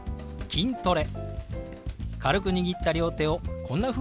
「筋トレ」。